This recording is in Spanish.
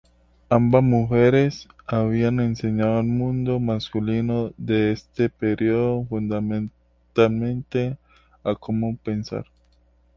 Ambas mujeres habían "enseñado al mundo masculino de este período fundamentalmente a cómo pensar...